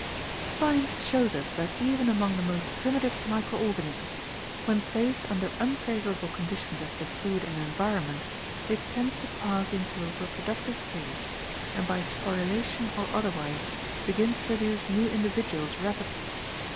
Science shows us that even among the most primitive micro organisms; when placed under unfavorable conditions as to food and environment, they tend to pass into a reproductive phase and by sporulation or otherwise begin to produce new individuals rapidly.